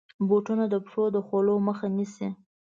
بوټونه د پښو د خولو مخه نیسي.